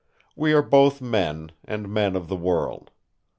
We are both men, and men of the world.